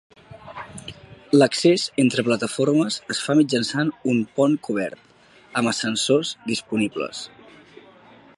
L'accés entre plataformes es fa mitjançant un pont cobert, amb ascensors disponibles.